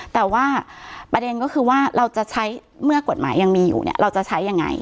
แต่ว่าประเด็นก็คือว่าเราจะใช้เมื่อกฎหมายยังมีอยู่เนี่ยเราจะใช้ยังไง